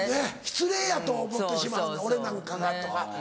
失礼やと思ってしまう俺なんかがとか。